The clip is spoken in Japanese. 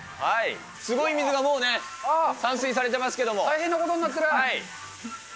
すごい水がもうね、散水され大変なことになってる。